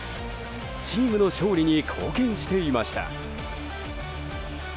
チームの勝利に貢献していました。